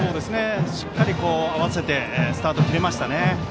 しっかり合わせてスタート切れましたね。